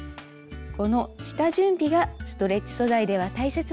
この下準備がストレッチ素材では大切なんです。